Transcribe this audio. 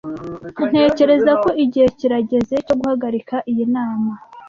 Ntekereza ko igihe kirageze cyo guhagarika iyi nama.